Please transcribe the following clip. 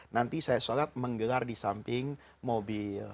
nanti saya sholat menggelar di samping mobil